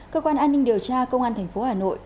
cơ quan an ninh điều tra công an thành phố hà nội